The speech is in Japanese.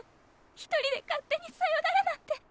一人で勝手にさよならなんて。